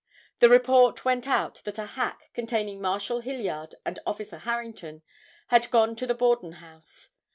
The report went out that a hack, containing Marshal Hilliard and Officer Harrington had gone to the Borden house.